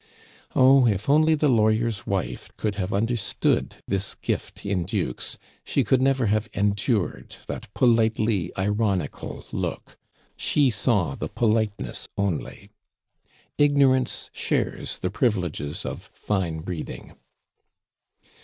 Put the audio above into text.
Oh! if only the lawyer's wife could have understood this gift in dukes, she could never have endured that politely ironical look; she saw the politeness only. Ignorance shares the privileges of fine breeding.